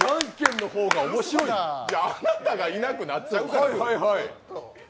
あなたがいなくなっちゃうから。